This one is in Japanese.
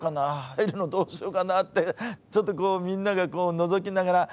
入るのどうしようかな？ってちょっとこうみんながのぞきながら。